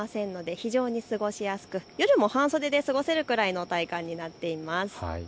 非常に過ごしやすく、夜も半袖で過ごせるくらいの体感になっています。